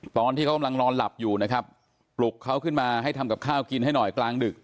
ตอนที่เขากำลังนอนหลับอยู่นะครับปลุกเขาขึ้นมาให้ทำกับข้าวกินให้หน่อยกลางดึก